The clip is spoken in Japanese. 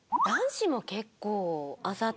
男子も結構。